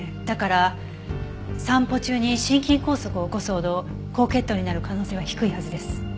だから散歩中に心筋梗塞を起こすほど高血糖になる可能性は低いはずです。